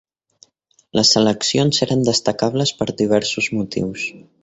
Les eleccions eren destacables per diversos motius.